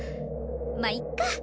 まあいっか！